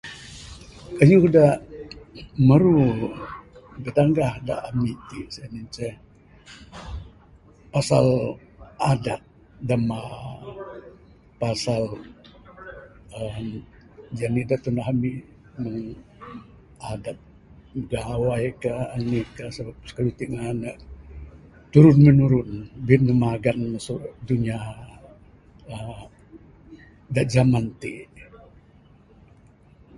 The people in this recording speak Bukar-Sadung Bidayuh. Keyuh dak meru dak tengah dak ami ti sien ceh pasal adat demba pasal uhh jenik dak tundah ami mung adat bigawai ka anih ka sabab keyuh ti ngan ne turun menurun bin ne magan mesu dunia uhh dak zaman ti.